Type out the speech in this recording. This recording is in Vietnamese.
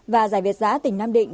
và giải việt giá tỉnh nam định